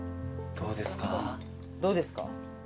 どうですか？